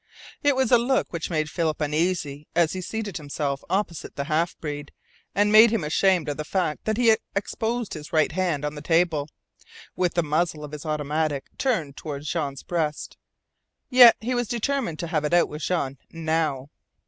It was a look which made Philip uneasy as he seated himself opposite the half breed, and made him ashamed of the fact that he had exposed his right hand on the table, with the muzzle of his automatic turned toward Jean's breast. Yet he was determined to have it out with Jean now.